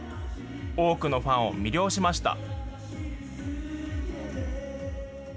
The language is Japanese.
多くのファンを魅了しました。